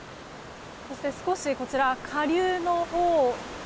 そして少しこちら、下流のほう。